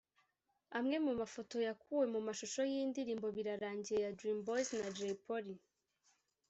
Amwe mu mafoto yakuwe mu mashusho y'indirimbo Birarangiye ya Dream Boys na Jay Polly